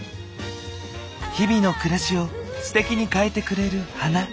日々の暮らしをステキに変えてくれる花。